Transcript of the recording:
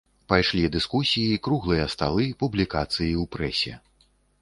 Пайшлі дыскусіі, круглыя сталы, публікацыі ў прэсе.